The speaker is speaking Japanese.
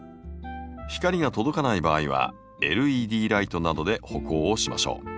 光が届かない場合はＬＥＤライトなどで補光をしましょう。